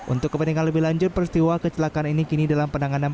untuk kepentingan lebih lanjut peristiwa kecelakaan ini kini dalam penanganan